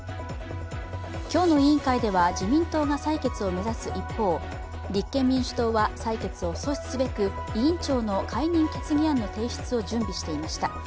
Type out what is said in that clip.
今日の委員会では自民党が採決を目指す一方、立憲民主党は採決を阻止すべく委員長の解任決議案の提出を準備していました。